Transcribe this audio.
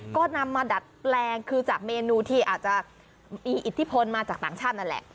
ก็นำมาดัดแปลงคือจากเมนูที่อาจจะมีอิทธิพลมาจากต่างชาตินั่นแหละ